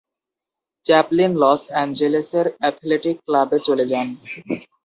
Chaplin Los অ্যাঞ্জেলেসের athletic ক্লাবে চলে যান।